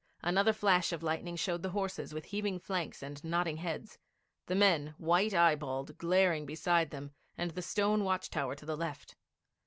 Another flash of lightning showed the horses with heaving flanks and nodding heads, the men, white eye balled, glaring beside them and the stone watch tower to the left.